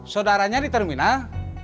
saudaranya di terminal